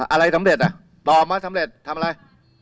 อะไรสำเร็จอ่ะตอบมาสำเร็จทำอะไร